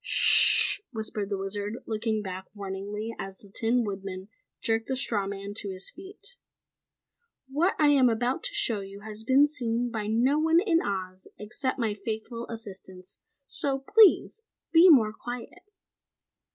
"Sh hh!" whispered the Wizard, looking back warningly as the Tin Woodman jerked the straw man to his feet. "What I am about to show you has been seen by no one in Oz except my faithful assistants! So please be more quiet!"